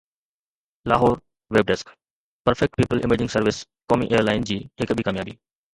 لاهور (ويب ڊيسڪ) perfect people amazing service قومي ايئر لائن جي هڪ ٻي ڪاميابي